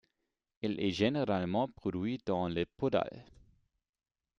Il est généralement produit dans le Podhale.